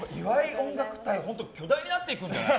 音楽隊巨大になっていくんじゃない？